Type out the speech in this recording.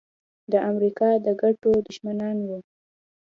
د امریکا د ګټو دښمنان وو.